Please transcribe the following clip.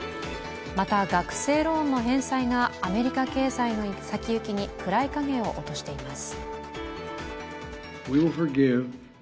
また、学生ローンの返済がアメリカ経済の先行きに暗い影を落としています。